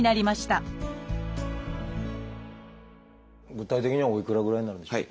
具体的にはおいくらぐらいになるんでしょう？